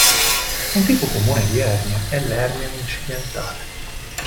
Un tipo comune di ernia è l'ernia incidentale.